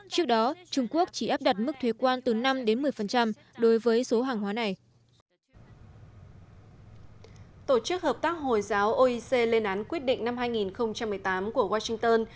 tổ chức hợp tác hồi giáo oec lên án quyết định năm hai nghìn một mươi tám của washington